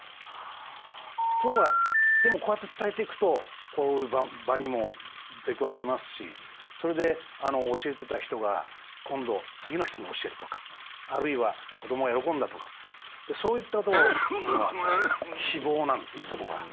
ところがでもこうやって伝えていくとこういう場にも出くわしますしそれで教えてた人が今度次の人に教えるとかあるいは子どもが喜んだとかそういったとこっていうのは希望なんですねそこが。